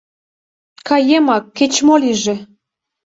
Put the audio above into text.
Каемак, кеч-мо лийже.